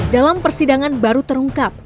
dalam persidangan baru terungkap